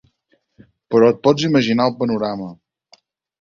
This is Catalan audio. Però et pots imaginar el panorama.